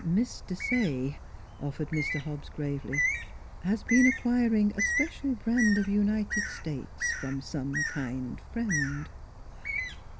" Miss Desaye," offered Mr. Hobbs gravely, " has been acquiring a special brand of United States from some kind friend."